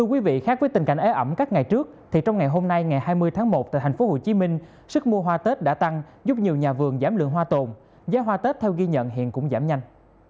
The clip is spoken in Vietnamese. các với tình cảnh ế ẩm các ngày trước thì trong ngày hôm nay ngày hai mươi tháng một tại thành phố hồ chí minh sức mua hoa tết đã tăng giúp nhiều nhà vườn giảm lượng hoa tồn giá hoa tết theo ghi nhận hiện cũng giảm nhanh